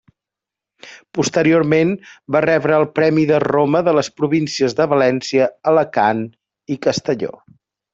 Posteriorment, va rebre el Premi de Roma de les províncies de València, Alacant i Castelló.